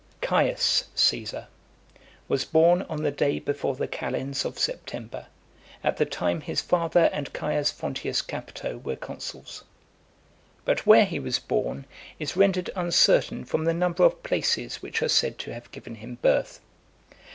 VIII. Caius Caesar was born on the day before the calends [31st August] of September, at the time his father and Caius Fonteius Capito were consuls . But where he was born, is rendered uncertain from the number of places which are said to have given him birth.